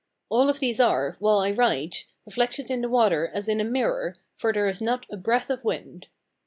All of these are, while I write, reflected in the water as in a mirror, for there is not a breath of wind.